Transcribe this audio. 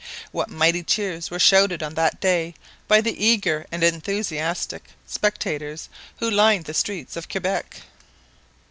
What mighty cheers were shouted on that day by the eager and enthusiastic spectators who lined the streets of Quebec!